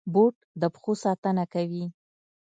بوټ د پښو ساتنه کوي.